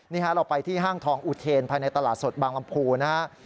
นี่ค่ะเราไปที่ห้างทองอุเทนภายในตลาดสดบางบำภูนะฮะ